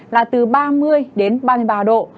là từ ba mươi đến ba mươi ba độ